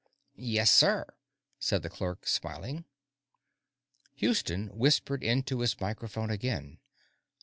"Yes, sir," said the clerk, smiling. Houston whispered into his microphone again.